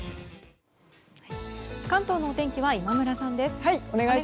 関東のお天気は今村さんです。